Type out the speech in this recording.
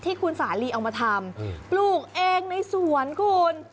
ที่คุณสาลีเอามาทำปลูกเองในสวนคุณ